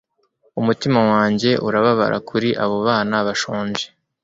Umutima wanjye urababara kuri abo bana bashonje